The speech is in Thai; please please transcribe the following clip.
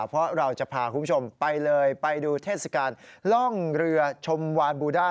เพราะเราจะพาคุณผู้ชมไปเลยไปดูเทศกาลล่องเรือชมวานบูด้า